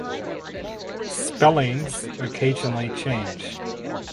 Spellings occasionally change.